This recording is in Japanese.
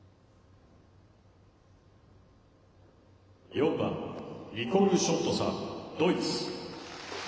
４番ニコル・ショットさん、ドイツ。